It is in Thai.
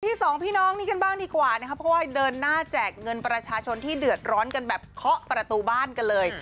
สองพี่น้องนี้กันบ้างดีกว่านะครับเพราะว่าเดินหน้าแจกเงินประชาชนที่เดือดร้อนกันแบบเคาะประตูบ้านกันเลย